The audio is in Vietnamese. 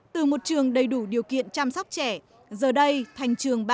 từ một trường đầy đủ điều kiện chăm sóc trẻ giờ đây thành trường